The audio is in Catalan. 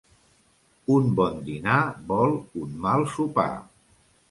Un bon dinar vol un mal sopar.